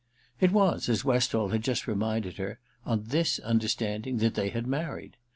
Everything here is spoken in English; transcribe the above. It was, as Westall had just reminded her, on this understanding that they had married.